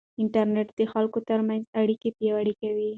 انټرنيټ د خلکو ترمنځ اړیکې پیاوړې کوي.